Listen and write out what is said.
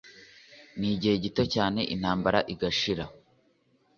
N’igihe gito cyane ntambara igashira